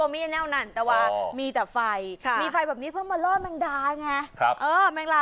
ไม่มีนะ